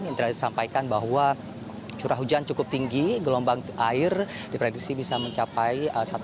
yang telah disampaikan bahwa curah hujan cukup tinggi gelombang air diprediksi bisa mencapai satu